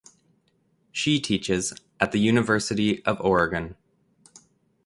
She teaches at the University of Oregon.